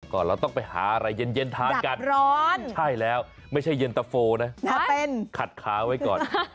เราต้องไปหาอะไรเย็นทานกันร้อนใช่แล้วไม่ใช่เย็นตะโฟนะขัดขาไว้ก่อน